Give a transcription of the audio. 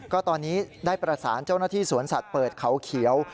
ก็ตอนนี้ได้ประสานเจ้าหน้าที่สวนสัตว์เปิดเขาเขียว